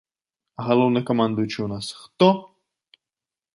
А галоўнакамандуючы ў нас хто?